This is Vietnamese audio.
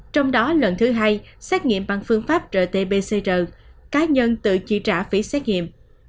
trong đó lần thứ hai xét nghiệm bằng phương pháp rt pcr cá nhân tự chi trả phí xét nghiệm